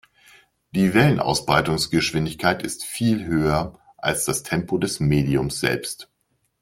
Die Wellenausbreitungsgeschwindigkeit ist viel höher als das Tempo des Mediums selbst.